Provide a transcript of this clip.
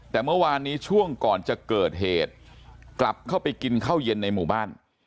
แต่เมื่อวานนี้ช่วงก่อนจะเกิดเหตุกลับเข้าไปกินข้าวเย็นในหมู่บ้าน